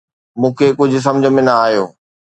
مون کي ڪجهه سمجهه ۾ نه آيو.